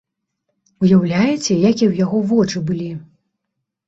Уяўляеце, якія ў яго вочы былі!